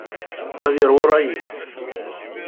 Ad yerwu rray-is.